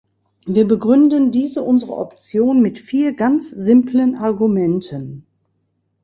Wir begründen diese unsere Option mit vier ganz simplen Argumenten.